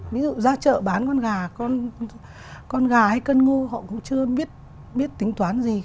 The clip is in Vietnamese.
ví dụ ra chợ bán con gà con gà hay cân ngô họ cũng chưa biết tính toán gì